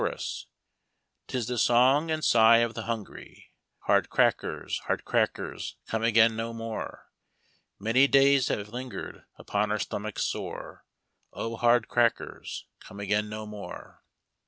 110 Chokus: — 'Tis the song and sigh of the hungry, " Hard crackers, hard crackers, come again no more! Many days have you Hngered upon our stomachs sore, O hard crackers, come again no more!"